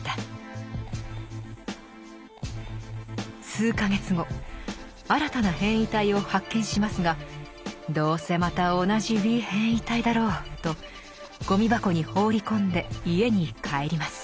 数か月後新たな変異体を発見しますが「どうせまた同じウィー変異体だろう」とゴミ箱に放り込んで家に帰ります。